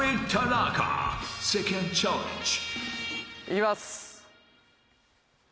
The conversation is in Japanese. いきます！